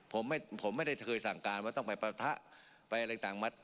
ผมไม่ได้เคยสั่งการว่าต้องไปปะทะไปอะไรต่างมา